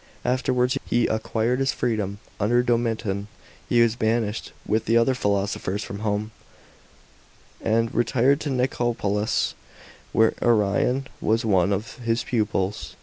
After wards he acquired his freedom. Under Domitian he was banished with the other philosophers from Home, and retired to Nicopolis, where Arrian was one of his pupils.